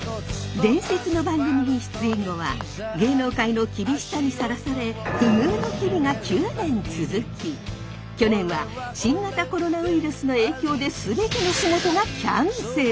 伝説の番組に出演後は芸能界の厳しさにさらされ不遇の日々が９年続き去年は新型コロナウイルスの影響で全ての仕事がキャンセル！